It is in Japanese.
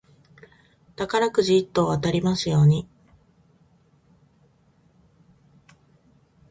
宝くじ一等当たりますように。